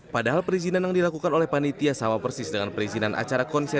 padahal perizinan yang dilakukan oleh panitia sama persis dengan perizinan acara konser